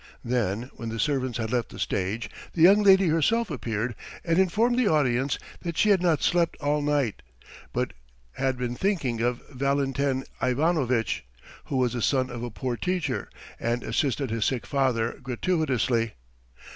Then, when the servants had left the stage, the young lady herself appeared and informed the audience that she had not slept all night, but had been thinking of Valentin Ivanovitch, who was the son of a poor teacher and assisted his sick father gratuitously.